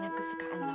karena kesukaan laura